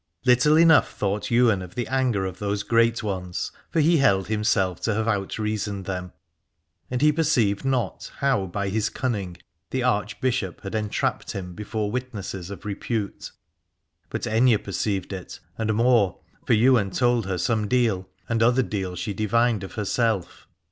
Little enough thought Ywain of the anger of those great ones, for he held himself to have outreasoned them, and he perceived not how by his cunning the Archbishop had entrapped him before witnesses of repute. But Aithne perceived it, and more, for Ywain told her some deal, and other deal she divined of herself.